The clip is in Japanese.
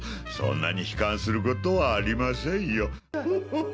そんなに悲観することはありませんよ。